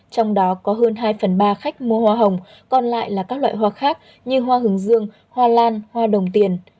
trong đó có hơn hai phần ba khách mua hoa hồng còn lại là các loại hoa khác như hoa hướng dương hoa lan hoa đồng tiền